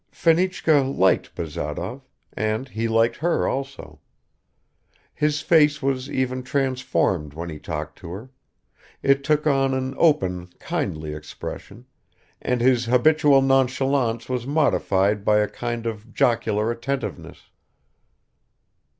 Fenichka liked Bazarov, and he liked her also. His face was even transformed when he talked to her; it took on an open kindly expression, and his habitual nonchalance was modified by a kind of jocular attentiveness.